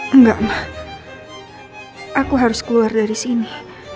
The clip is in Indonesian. enggak mbak aku harus keluar dari sini